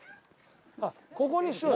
あっここにしよう。